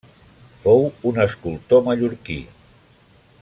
Fou un escultor mallorquí.